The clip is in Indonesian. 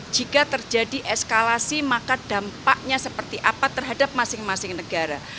jika terjadi eskalasi maka dampaknya seperti apa terhadap masing masing negara